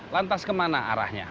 lantas ke mana arahnya